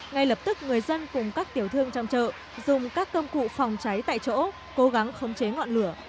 ngay lập tức người dân cùng các tiểu thương trong chợ dùng các công cụ phòng cháy tại chỗ cố gắng khống chế ngọn lửa